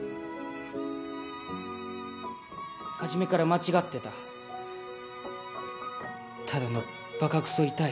初めから間違ってたただのバカくそ痛い